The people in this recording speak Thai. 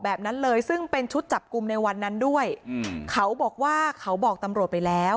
แบบนั้นเลยซึ่งเป็นชุดจับกลุ่มในวันนั้นด้วยอืมเขาบอกว่าเขาบอกตำรวจไปแล้ว